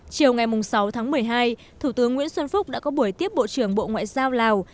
chiều ngày sáu tháng một mươi hai thủ tướng nguyễn xuân phúc đã có buổi tiếp bộ trưởng bộ ngoại giao lào